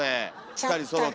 ２人そろって。